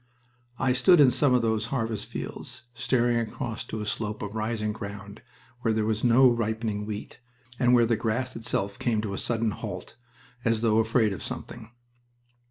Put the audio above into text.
I stood in some of those harvest fields, staring across to a slope of rising ground where there was no ripening wheat, and where the grass itself came to a sudden halt, as though afraid of something.